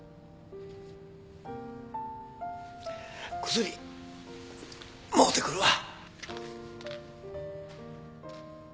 薬もろてくるわ。